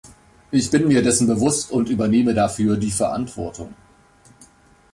Ich bin mir dessen bewusst und übernehme dafür die Verantwortung.